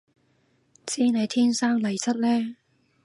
知你天生麗質嘞